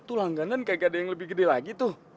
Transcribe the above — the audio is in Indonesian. itu langganan kayak gak ada yang lebih gede lagi tuh